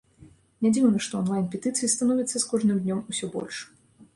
Нядзіўна, што анлайн-петыцый становіцца з кожным днём усё больш.